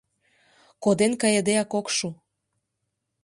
Коден кайыдеак ок шу!